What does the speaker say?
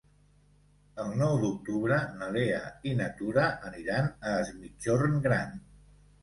El nou d'octubre na Lea i na Tura aniran a Es Migjorn Gran.